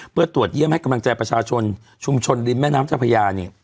เพื่อตรวจเยี่ยมให้กำลังใจประชาชนชุมชนริมแม่น้ำเจ้าพญาเนี่ย